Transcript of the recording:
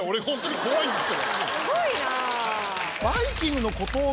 すごいな。